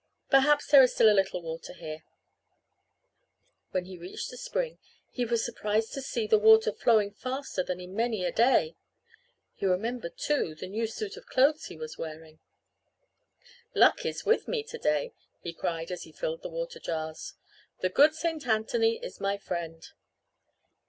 Perhaps there is still a little water here." When he reached the spring he was surprised to see the water flowing faster than in many a day. He remembered, too, the new suit of clothes he was wearing. "Luck is with me to day!" he cried as he filled the water jars. "The good saint Anthony is my friend.